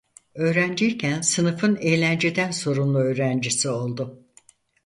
Öğrenciyken sınıfının eğlenceden sorumlu öğrencisi oldu.